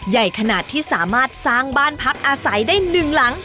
ใหญ่ขนาดที่สามารถสร้างบ้านพักอาศัยได้หนึ่งหลัง